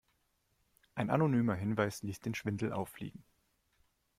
Ein anonymer Hinweis ließ den Schwindel auffliegen.